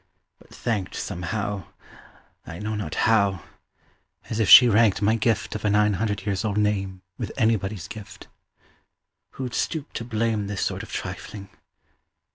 but thanked Somehow I know not how as if she ranked My gift of a nine hundred years old name With anybody's gift. Who'd stoop to blame This sort of trifling?